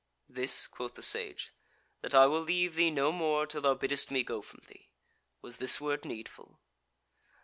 "This," quoth the Sage, "that I will leave thee no more till thou biddest me go from thee. Was this word needful?"